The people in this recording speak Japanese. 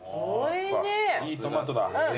いいトマトだ。